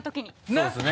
そうですね